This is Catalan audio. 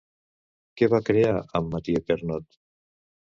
Què va crear amb Mathieu Pernot?